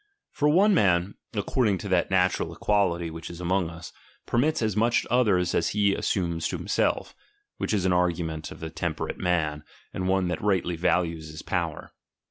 For one"""^ man, according to that natural equality which is among us, permits as much to others as he as sumes to himself ; which is an argument of a tem perate man, and one that rightly values his power.